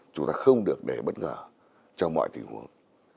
chúng ta không được để bất ngờ trong mọi tình huống